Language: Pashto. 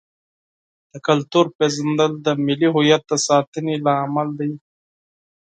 د کلتور پیژندل د ملي هویت د ساتنې لامل دی.